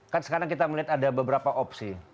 kan sekarang kita melihat ada beberapa opsi